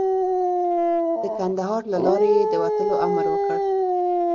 د کندهار له لارې یې د وتلو امر وکړ.